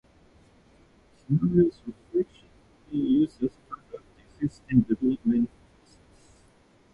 Scenarios are frequently used as part of the system development process.